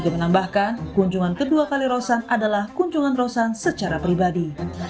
menambahkan kunjungan kedua kali rosan adalah kunjungan rosan secara pribadi